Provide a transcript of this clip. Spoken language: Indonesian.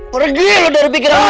pergi lo dari pikiran mama